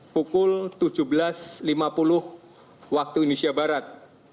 pukul tujuh belas lima puluh waktu indonesia barat